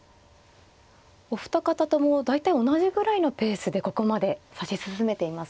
お二方とも大体同じぐらいのペースでここまで指し進めていますね。